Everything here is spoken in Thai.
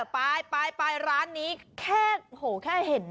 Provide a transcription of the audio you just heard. ไปไปร้านนี้แค่เห็น